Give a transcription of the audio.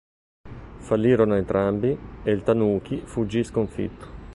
Fallirono entrambi, e il tanuki fuggì sconfitto.